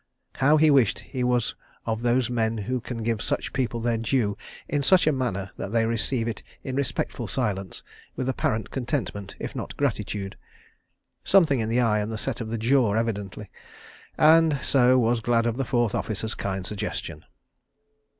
... How he wished he was of those men who can give such people their due in such a manner that they receive it in respectful silence, with apparent contentment, if not gratitude. Something in the eye and the set of the jaw, evidently—and so was glad of the fourth officer's kind suggestion.